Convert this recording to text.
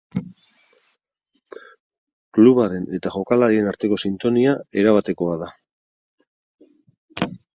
Klubaren eta jokalariaren arteko sintonia erabatekoa da.